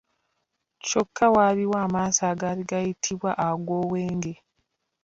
Kyokka waliwo amaaso agayitibwa ag’olwenge.